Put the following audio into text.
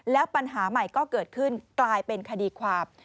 แล้วปัญหาใหม่ก็เกิดขึ้นกลายเป็นคดีความ